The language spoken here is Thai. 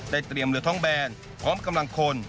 เตรียมเรือท้องแบนพร้อมกำลังคน